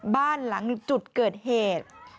บ้านหลังจุดเกิดเหตุ